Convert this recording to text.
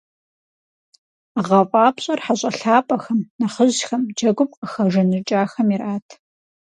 ГъэфӀапщӀэр - хьэщӀэ лъапӀэхэм, нэхъыжьхэм, джэгум къыхэжаныкӀахэм ират.